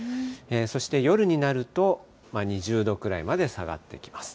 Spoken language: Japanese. そして夜になると、２０度くらいまで下がってきます。